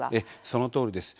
そのとおりです。